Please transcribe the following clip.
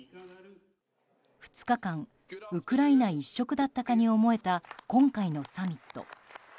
２日間ウクライナ一色だったかに思えた今回のサミット。